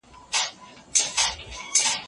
هغه د ورځې لپاره له نغري لوګی نه پورته کاوه.